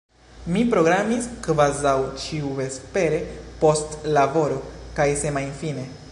Mi programis kvazaŭ ĉiuvespere, post laboro, kaj semajnfine.